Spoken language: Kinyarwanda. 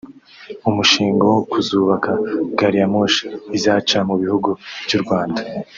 umushinga wo kuzubaka Gari ya moshi izaca mu bihugu by’u Rwanda